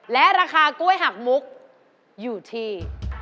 และราคากล้วยหักมุกอยู่ที่